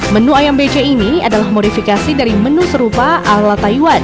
menu ayam bc ini adalah modifikasi dari menu serupa alatayu